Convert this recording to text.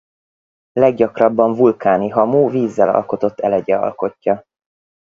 Leggyakrabban vulkáni hamu vízzel alkotott elegye alkotja.